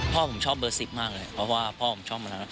พ่อผมชอบเบอร์๑๐มากเลยเพราะว่าพ่อผมชอบมาแล้ว